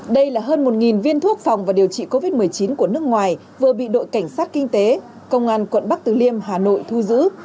đây là hơn một viên thuốc phòng và điều trị covid một mươi chín của nước ngoài vừa bị đội cảnh sát kinh tế công an quận bắc từ liêm hà nội thu giữ